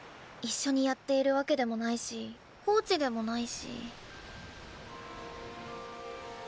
一緒にやっているわけでもないしコーチでもないし。